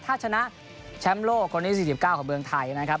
ถ้าชนะแชมป์โลกคนที่๔๙ของเมืองไทยนะครับ